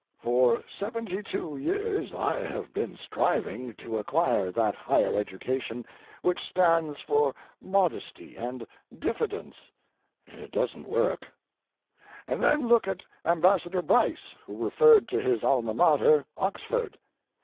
For seventy two years I have been striving to acquire that higher education which stands for modesty and diffidence, and it doesn't work. And then look at Ambassador Bryce, who referred to his alma mater, Oxford.